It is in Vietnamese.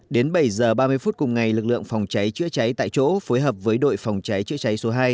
đến bảy h ba mươi phút cùng ngày lực lượng phòng cháy chữa cháy tại chỗ phối hợp với đội phòng cháy chữa cháy số hai